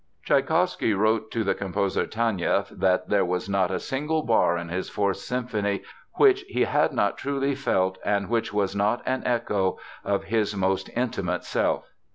Tschaikowsky wrote to the composer Taneieff that there was not a single bar in his Fourth Symphony which he had not truly felt and which was not an echo of his "most intimate self."